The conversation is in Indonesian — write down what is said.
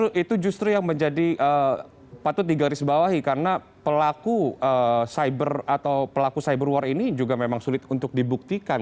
betul itu justru yang menjadi patut digarisbawahi karena pelaku cyber atau pelaku cyber war ini juga memang sulit untuk dibuktikan